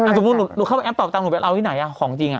อันตรงนู้นลูเข้าแอปเป่าตังลูไปเอาที่ไหนอ่ะของจริงอ่ะ